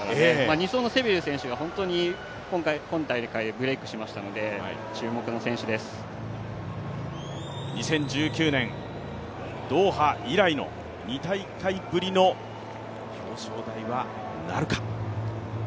２走のセビル選手が本当に今大会ブレイクしましたので２０１９年ドーハ以来の、２大会ぶりの表彰台はなるか。